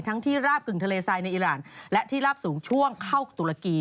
ที่ราบกึ่งทะเลทรายในอิราณและที่ราบสูงช่วงเข้าตุรกี